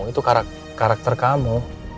itu karakter kamu